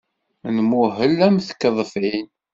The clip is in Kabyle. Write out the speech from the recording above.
Nmuhel am tkeḍfin.